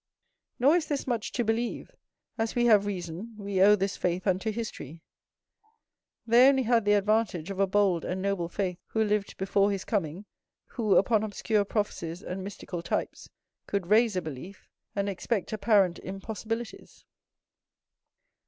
Nor is this much to believe; as we have reason, we owe this faith unto history: they only had the advantage of a bold and noble faith, who lived before his coming, who, upon obscure prophesies and mystical types, could raise a belief, and expect apparent impossibilities.